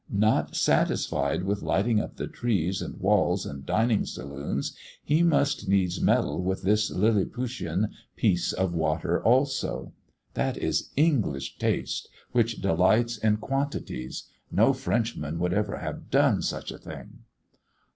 Not satisfied with lighting up the trees, and walls, and dining saloons, he must needs meddle with this lilliputian piece of water also. That is English taste, which delights in quantities: no Frenchman would ever have done such a thing!